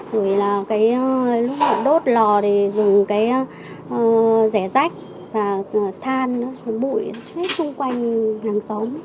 rồi là cái lúc đốt lò thì dùng cái rẻ rách và than nó bụi hết xung quanh hàng xóm